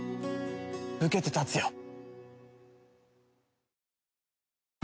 受けてたつよ。